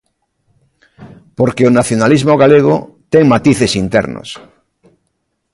Porque o nacionalismo galego ten matices internos.